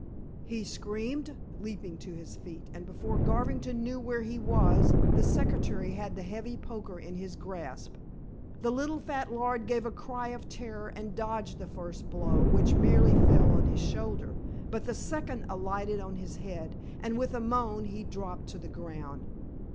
he screamed, leaping to his feet, and before Garvington knew where he was the secretary had the heavy poker in his grasp. The little fat lord gave a cry of terror and dodged the first blow which merely fell on his shoulder. But the second alighted on his head and with a moan he dropped to the ground.